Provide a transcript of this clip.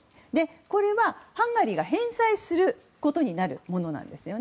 これはハンガリーが返済することになるものなんです。